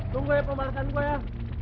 tunggu ya pembahasan gue ya